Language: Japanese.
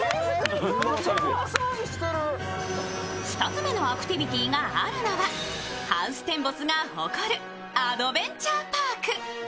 ２つ目のアクティビティがあるのはハウステンボスが誇るアドベンチャーパーク。